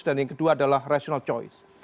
dan yang kedua adalah rational choice